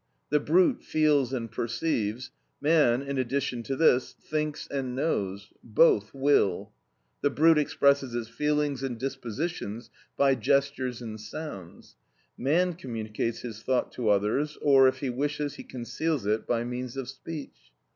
The brute feels and perceives; man, in addition to this, thinks and knows: both will. The brute expresses its feelings and dispositions by gestures and sounds; man communicates his thought to others, or, if he wishes, he conceals it, by means of speech.